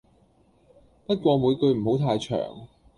不過每句唔好太長